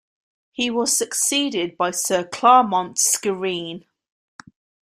He was succeeded by Sir Clarmont Skrine.